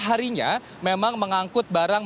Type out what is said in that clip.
harinya memang mengangkut barang